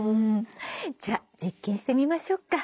じゃあ実験してみましょうか。